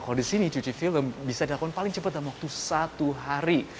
kalau di sini cuci film bisa dilakukan paling cepat dalam waktu satu hari